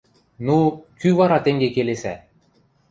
Ну, кӱ вара тенге келесӓ?